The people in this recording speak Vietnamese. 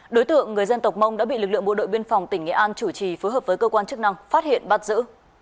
đối tượng người dân tộc mông đã bị lực lượng bộ đội biên phòng tỉnh nghệ an chủ trì phối hợp với cơ quan chức năng phát hiện bắt giữ